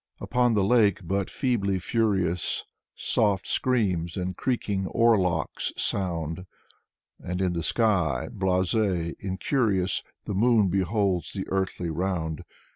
Upon the lake but feebly furious Soft screams and creaking oar locks sound. And in the sky, blase, incurious. The moon beholds the earthly round.